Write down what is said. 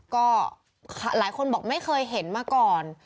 ก็หลายคนบอกไม่เคยเห็นมาก่อน